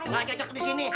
gak cocok disini